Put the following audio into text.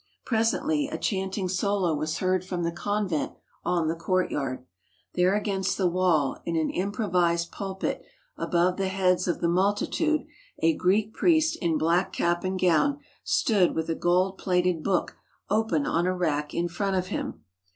Presently a chanting solo was heard from the convent on the courtyard. There against the wall in an impro vised pulpit above the heads of the multitude a Greek priest in black cap and gown stood with a gold plated book open on a rack in front of him.